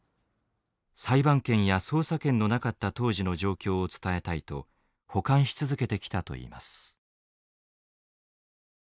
裁判権や捜査権のなかった当時の状況を伝えたいと保管し続けてきたといいます。